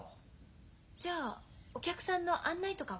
じゃあお客さんの案内とかは？